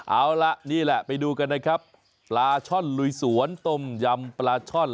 เอาล่ะนี่แหละไปดูกันนะครับปลาช่อนลุยสวนต้มยำปลาช่อน